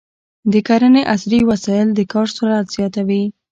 د کرنې عصري وسایل د کار سرعت زیاتوي.